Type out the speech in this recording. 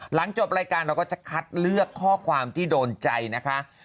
หลังจบรายการเราก็จะคัดเลือกข้อความที่โดนใจนะคะ